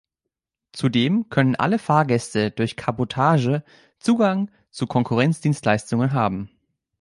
Zudem können alle Fahrgäste, durch Kabotage Zugang zu Konkurrenzdienstleistungen haben.